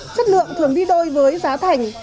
chất lượng thường đi đôi với giá thành